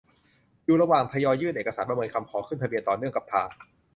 อยู่ระหว่างทยอยยื่นเอกสารประเมินคำขอขึ้นทะเบียนต่อเนื่องกับทาง